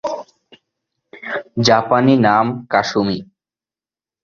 জাপানি নাম কাসুমি।